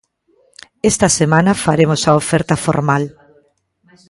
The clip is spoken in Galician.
Esta semana faremos a oferta formal.